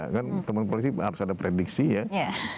kan teman polisi harus ada prediksi ya